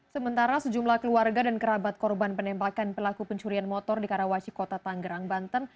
sementara sejumlah keluarga dan kerabat korban penembakan pelaku pencurian motor di karawaci kota tanggerang banten